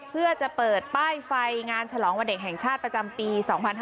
เพื่อจะเปิดป้ายไฟงานฉลองวันเด็กแห่งชาติประจำปี๒๕๕๙